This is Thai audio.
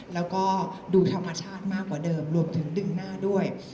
แล้วก็ดูธรรมชาติมากกว่าเดิมรวมถึงดึงหน้าด้วย